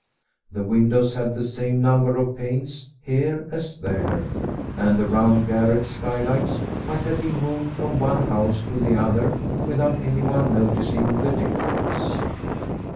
The windows had the same number of panes here as there, and the round garret skylights might have been moved from one house to the other without anyone noticing the difference.